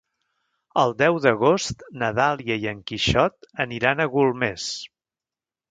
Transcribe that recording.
El deu d'agost na Dàlia i en Quixot aniran a Golmés.